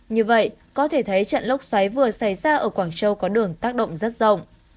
như vậy có thể thấy trận lốc xoáy vừa xảy ra ở quảng châu có đường tác động rất rộng